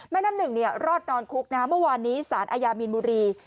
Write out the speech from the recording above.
แม่น้ำนึกรอดนอนคุกเมื่อวานนี้สารอายามีนมุรี